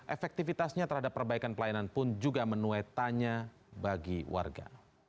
efektivitasnya terhadap perbaikan pelayanan pun juga menuai tanya bagi warga